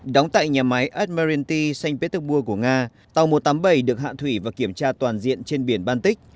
đóng tại nhà máy admiralty xanh pế tức bua của nga tàu một trăm tám mươi bảy được hạ thủy và kiểm tra toàn diện trên biển baltic